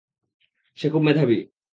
সে খুব মেধাবী।